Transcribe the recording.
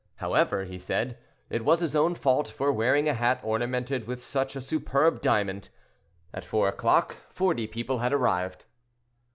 However, he said, it was his own fault, for wearing a hat ornamented with such a superb diamond. At four o'clock, forty people had arrived.